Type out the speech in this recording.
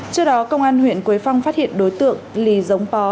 trước đó công an huyện quế phong phát hiện đối tượng lì dống pó